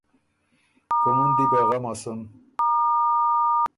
کُومُن دی بې غمه سُن۔